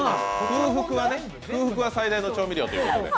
空腹は最大の調味料ということで。